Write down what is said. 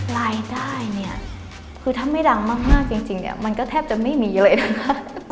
รายได้เนี่ยคือถ้าไม่ดังมากจริงเนี่ยมันก็แทบจะไม่มีเลยนะคะ